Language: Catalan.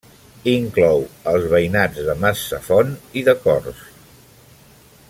Inclou els veïnats de Mas Safont i de Corts.